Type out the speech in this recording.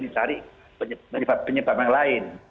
disari penyebab yang lain